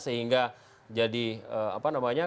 sehingga jadi apa namanya